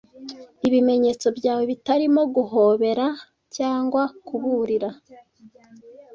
Ibimenyetso byawe bitarimo guhobera cyangwa kuburira